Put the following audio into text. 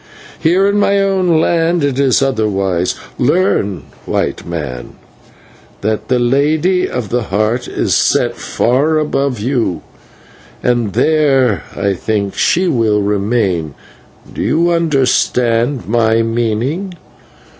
Here in my own land it is otherwise. Learn, White Man, that the Lady of the Heart is set far above you, and there I think she will remain. Do you understand my meaning?"